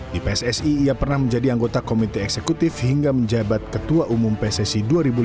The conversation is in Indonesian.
di pssi ia pernah menjadi anggota komite eksekutif hingga menjabat ketua umum pssi dua ribu lima belas